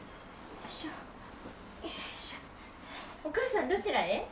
お母さんどちらへ？